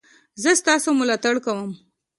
زه ستاسو ملاتړ کوم